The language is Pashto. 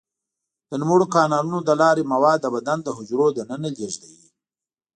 د نوموړو کانالونو له لارې مواد د بدن د حجرو دننه لیږدوي.